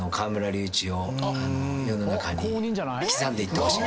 あっ公認じゃない？